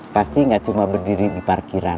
pasti nggak cuma berdiri di parkiran